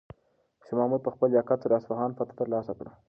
شاه محمود په خپل لیاقت سره د اصفهان فتحه ترلاسه کړه.